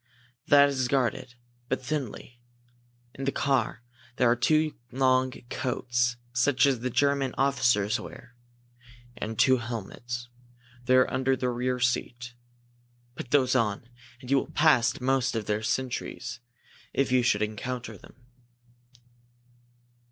That is guarded, but thinly. In the car are two long coats such as the German officers wear, and two helmets. They are under the rear seat. Put those on, and you will pass most of their sentries, if you should encounter them."